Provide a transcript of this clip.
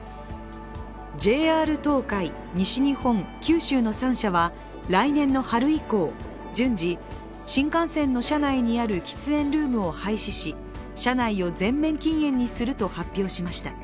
ＪＲ東海、西日本、九州の３社は来年の春以降順次、新幹線の車内にある喫煙ルームを廃止し車内を全面禁煙にすると発表しました。